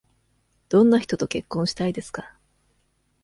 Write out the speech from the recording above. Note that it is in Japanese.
どんな人と結婚したいですか。